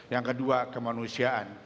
yang kedua kemanusiaan